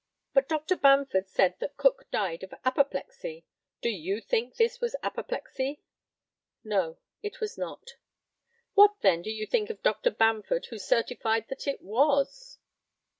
But Dr. Bamford said that Cook died of apoplexy; do you think this was apoplexy? No, it was not. What, then, do you think of Dr. Bamford, who certified that it was?